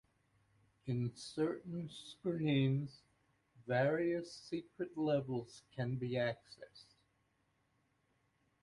In certain screens various secret levels can be accessed.